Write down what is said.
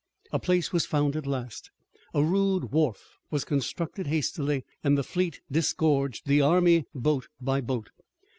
A place was found at last, a rude wharf was constructed hastily, and the fleet disgorged the army, boat by boat.